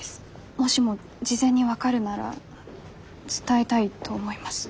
もしも事前に分かるなら伝えたいと思います。